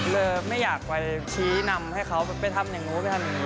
ไม่อยากไปชี้นำให้เขาไปทำอย่างนู้นไปทำอย่างนี้